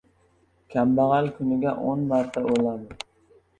• Kambag‘al kuniga o‘n marta o‘ladi.